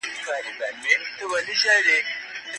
ګرځی